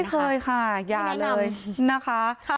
ไม่เคยค่ะอย่าเลยนะคะ